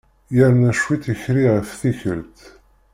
Yerna cwiṭ yekri ɣef tikkelt.